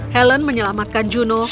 helen menyelamatkan juno